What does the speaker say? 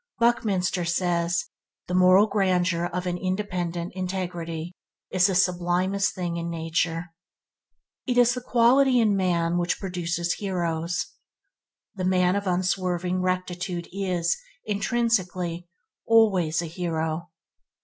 Buckminster says, "The moral grandeur of an independent integrity is the sublimest thing in nature." It is the quality in man which produces heroes. The man of unswerving rectitude is, intrinsically, always a hero.